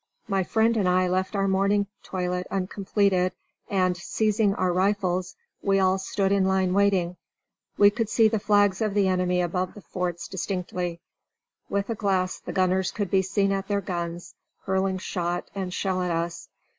My friend and I left our morning toilet uncompleted and, seizing our rifles, we all stood in line waiting. We could see the flags of the enemy above the forts distinctly. With a glass the gunners could be seen at their guns, hurling shot and shell at us.